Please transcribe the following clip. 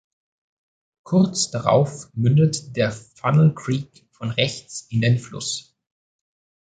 Kurz darauf mündet der Funnel Creek von rechts in den Fluss.